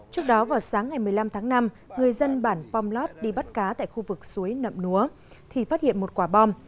trước đó vào sáng ngày một mươi năm tháng năm người dân bản pomlot đi bắt cá tại khu vực suối nậm núa thì phát hiện một quả bom